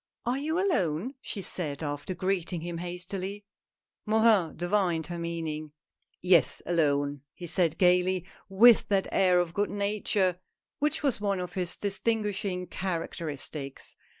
"Are you alone?" she said, after greeting him hastily. Morin divined her meaning. " Yes, alone !" he said gayly, with that air of good nature which was one of his distinguishing character istics.